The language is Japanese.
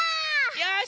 よし！